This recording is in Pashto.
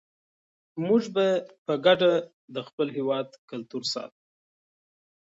موږ به په ګډه د خپل هېواد کلتور ساتو.